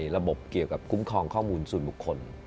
ระบบเกี่ยวกับคุ้มครองข้อมูลส่วนบุคคล